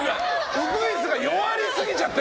ウグイスが弱りすぎちゃって。